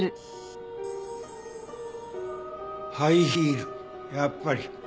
ハイヒールやっぱり。